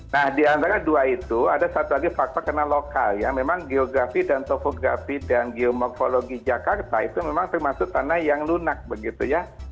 nah di antara dua itu ada satu lagi faktor karena lokal ya memang geografi dan topografi dan geomorfologi jakarta itu memang termasuk tanah yang lunak begitu ya